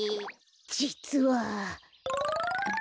じつは。